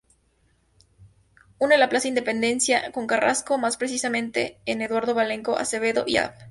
Une la Plaza Independencia con Carrasco, más precisamente en Eduardo Blanco Acevedo y Av.